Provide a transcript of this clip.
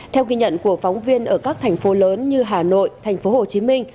theo ghi nhận của phóng viên ở các thành phố lớn như hà nội tp hcm